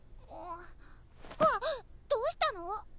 ハッどうしたの？